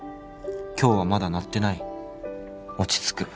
「今日はまだ鳴ってない落ち着く」